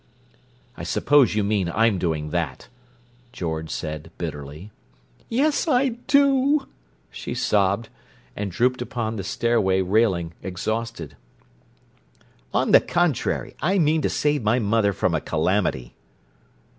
"I suppose you mean I'm doing that," George said bitterly. "Yes, I do!" she sobbed, and drooped upon the stairway railing, exhausted. "On the contrary, I mean to save my mother from a calamity."